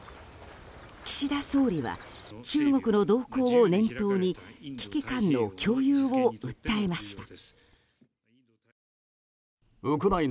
岸田総理は中国の動向を念頭に危機感の共有を訴えました。